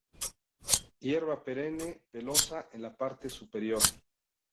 Hierba perenne, pelosa en la parte superior.